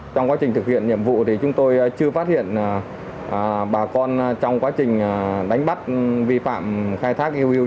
trong quá trình thực hiện nhiệm vụ thì chúng tôi chưa phát hiện bà con trong quá trình đánh bắt vi phạm khai thác iuu